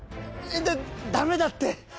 ダメだって！